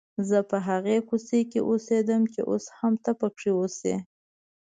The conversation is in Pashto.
زه په هغې کوڅې کې اوسېدم چې اوس هم ته پکې اوسې.